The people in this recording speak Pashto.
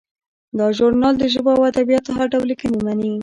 دا ژورنال د ژبو او ادبیاتو هر ډول لیکنې مني.